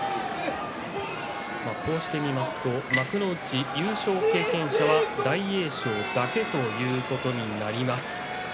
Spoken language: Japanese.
こうして見ると幕内優勝経験者は大栄翔だけということになります。